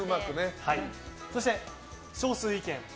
そして、少数意見。